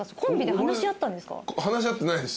話し合ってないです。